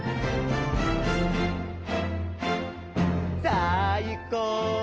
「さあいこう！